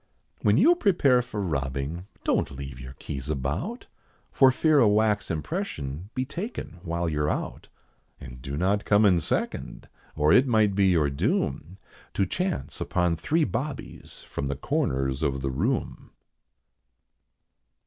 When you prepare for robbing, don't leave your keys about, For fear a wax impression be taken while you're out; And do not come in second, or it might be your doom To chance upon three bobbies from the corners of the room.